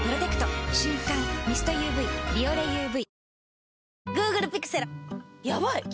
瞬感ミストＵＶ「ビオレＵＶ」